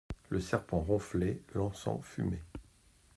Le serpent ronflait, l'encens fumait.